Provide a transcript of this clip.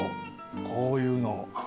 こういうの。